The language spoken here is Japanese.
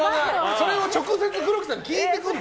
それを直接、黒木さんに聞いてくるんだ？